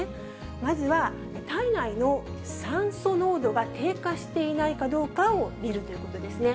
まずは体内の酸素濃度が低下していないかどうかを見るということですね。